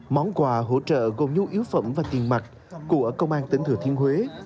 món quà hỗ trợ gồm nhu yếu phẩm và tiền mặt của công an tỉnh thừa thiên huế